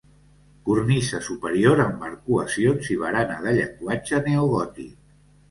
Cornisa superior amb arcuacions i barana de llenguatge neogòtic.